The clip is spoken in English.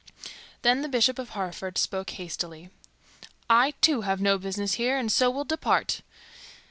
Then the Bishop of Hereford spoke hastily, "I, too, have no business here, and so will depart."